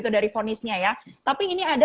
dari fonisnya tapi ini ada